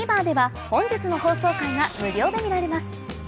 ＴＶｅｒでは本日の放送回が無料で見られます